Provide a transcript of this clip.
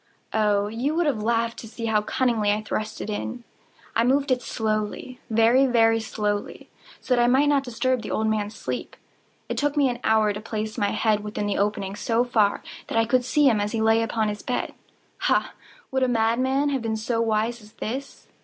Oh, you would have laughed to see how cunningly I thrust it in! I moved it slowly—very, very slowly, so that I might not disturb the old man's sleep. It took me an hour to place my whole head within the opening so far that I could see him as he lay upon his bed. Ha!—would a madman have been so wise as this?